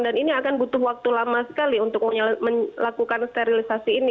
dan ini akan butuh waktu lama sekali untuk melakukan sterilisasi ini